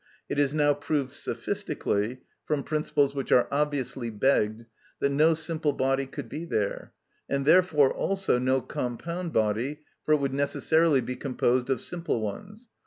It is now proved sophistically, from principles which are obviously begged, that no simple body could be there; and therefore, also, no compound body, for it would necessarily be composed of simple ones.